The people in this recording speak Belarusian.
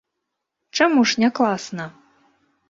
Чаму ж не класна?